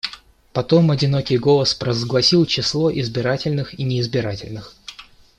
Потом одинокий голос провозгласил число избирательных и неизбирательных.